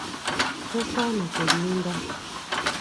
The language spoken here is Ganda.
Tosaana kulimba.